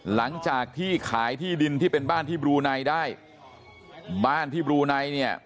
หลังจากที่ขายที่ดินที่เป็นบ้านที่บลูไนได้บ้านที่บลูไนเนี่ย